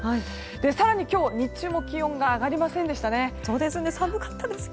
更に今日日中も気温が上がりませんでしたよね。